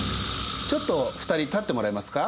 ちょっと２人立ってもらえますか？